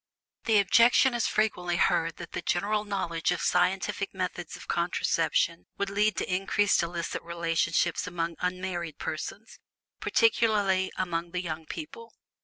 The objection is frequently heard that the general knowledge of scientific methods of contraception would lead to increased illicit relations among unmarried persons, particularly among the young people.